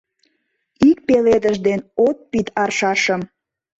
Ик пеледыш ден от пид аршашым